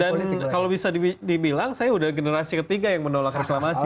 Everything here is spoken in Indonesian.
dan kalau bisa dibilang saya sudah generasi ketiga yang menolak reklamasi